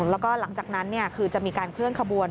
แล้วก็หลังจากนั้นคือจะมีการเคลื่อนขบวน